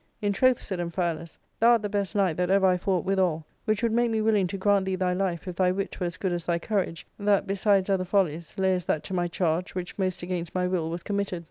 ''" In troth," said Amphialus, thou art the best knight that ever I fought withal, which would make me willing to grant thee thy life if thy wit were as good as thy courage, that, besides other follies, layest that to my charge which most against my will was committed.